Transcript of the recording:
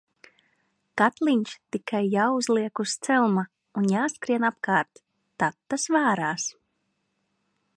Katliņš tikai jāuzliek uz celma un jāskrien apkārt, tad tas vārās.